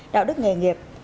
đạo đức nghề nghiệp